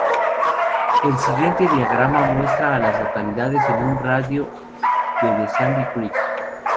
El siguiente diagrama muestra a las localidades en un radio de de Sandy Creek.